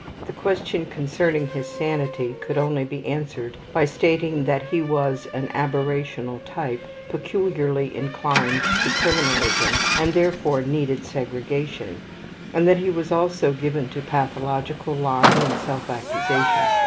The question concerning his sanity could only be answered by stating that he was an aberrational type peculiarly inclined to criminalism, and therefore needed segregation, and that he was also given to pathological lying and self accusation.